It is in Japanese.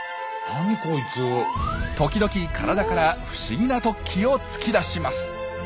時々体から不思議な突起を突き出します。